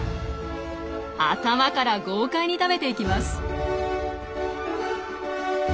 頭から豪快に食べていきます。